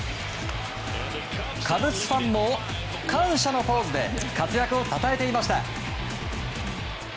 カブスファンも感謝のポーズで活躍をたたえていました。